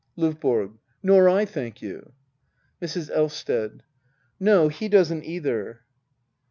LOVBORO. Nor I, thank you. Mrs. Elvsted. No, he doesn't either.